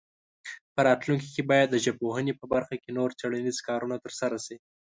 په راتلونکي کې باید د ژبپوهنې په برخه کې نور څېړنیز کارونه ترسره شي.